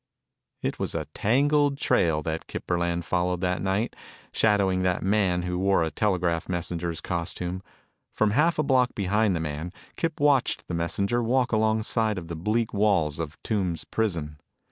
It was a tangled trail that Kip Burland followed that night, shadowing that man who wore a telegraph messenger's costume. From half a block behind the man, Kip watched the messenger walk along side of the bleak walls of Tombs prison.